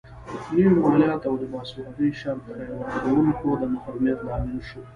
نوي مالیات او د باسوادۍ شرط د رایې ورکونکو د محرومیت لامل شول.